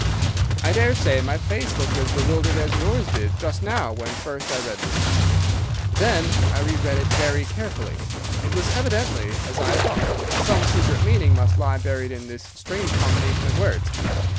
"I daresay my face looked as bewildered as yours did just now when first I read this message. Then I reread it very carefully. It was evidently as I had thought, and some secret meaning must lie buried in this strange combination of words.